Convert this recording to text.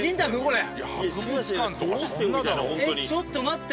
えっちょっと待って。